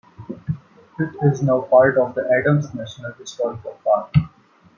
It is now part of the Adams National Historical Park.